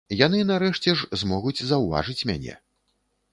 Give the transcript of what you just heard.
Яны нарэшце ж змогуць заўважыць мяне.